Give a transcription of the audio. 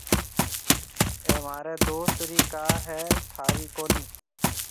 اَي مهاريَ دوست رِي ڪار هيَ ٿارِي ڪونَي